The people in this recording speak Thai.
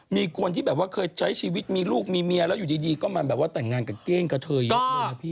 มีคนที่แบบว่าเคยใช้ชีวิตมีลูกมีเมียแล้วอยู่ดีก็มาแบบว่าแต่งงานกับเก้งกับเธอเยอะมากพี่